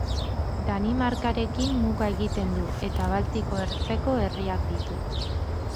Danimarkarekin muga egiten du eta Baltiko ertzeko herriak ditu.